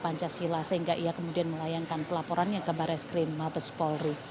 pancasila sehingga ia kemudian melayangkan pelaporannya ke baris krim mabes polri